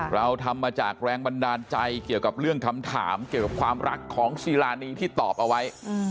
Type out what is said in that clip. เราทำมาจากแรงบันดาลใจเกี่ยวกับเรื่องคำถามเกี่ยวกับความรักของซีรานีที่ตอบเอาไว้